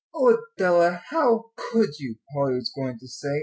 "Oh, Adela, how could you?" Polly was going to say.